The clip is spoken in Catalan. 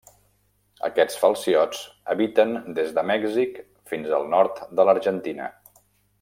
Aquests falciots habiten des de Mèxic fins al nord de l'Argentina.